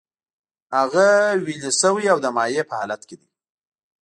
هغه ویلې شوی او د مایع په حالت کې دی.